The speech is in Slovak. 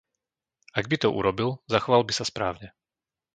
Ak by to urobil, zachoval by sa správne.